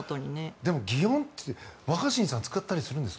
でも擬音って若新さん使ったりするんですか。